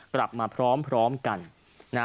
กลับมาพร้อมกันนะ